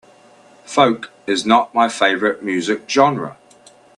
Folk is not my favorite music genre.